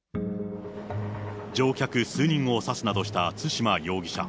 乗客数人を刺すなどした對馬容疑者。